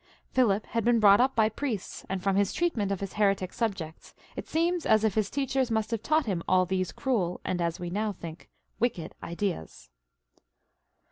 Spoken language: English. Philip had been brought up by priests, and from his treatment of his heretic subjects it seems as if his teachers must have taught him all these cruel and, as we now think, wicked ideas.